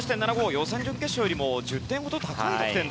予選、準決勝よりも１０点ほど高い得点。